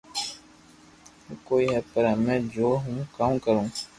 ڪوئي ھي پر ھمي جو ھون ڪو ڪاو